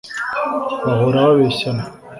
Bahora babeshyana